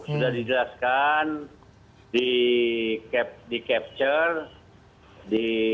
sudah dijelaskan di capture di